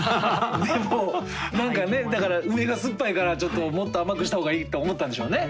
でも何かねだから梅が酸っぱいからもっと甘くした方がいいと思ったんでしょうね。